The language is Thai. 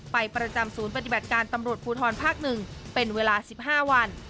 ประจำศูนย์ปฏิบัติการตำรวจภูทรภาค๑เป็นเวลา๑๕วัน